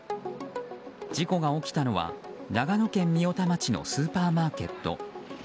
事故が起きたのは長野県御代田町のスーパーマーケット。